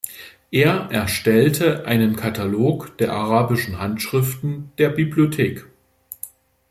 Er erstellte einen Katalog der arabischen Handschriften der Bibliothek.